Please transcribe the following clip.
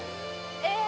ええ！